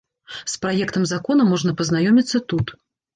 З праектам закона можна пазнаёміцца тут.